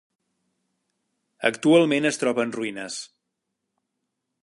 Actualment es troba en ruïnes.